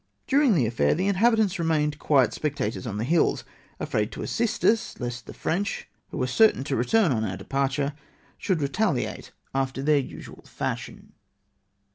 During this affair the inhabitants remained quiet spectators on the hills — afraid to assist us, lest the French, who were certain to return on our departure, slioulcl retaliate after their usual fashion.